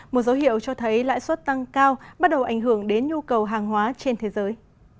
một dấu hiệu cho thấy lãi suất tăng cao bắt đầu ảnh hưởng đến nhu cầu hàng hóa trên thế giới